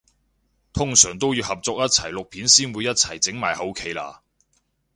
通常都要合作一齊錄片先會一齊整埋後期啦？